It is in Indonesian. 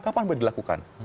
kapan boleh dilakukan